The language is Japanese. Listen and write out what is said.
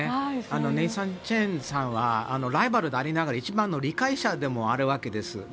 ネイサン・チェンさんはライバルでありながら一番の理解者でもあるわけです。